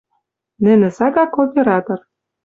Нӹнӹ сага кооператор —